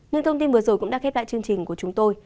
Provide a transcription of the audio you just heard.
những thông tin vừa rồi cũng đã khép lại chương trình của chúng tôi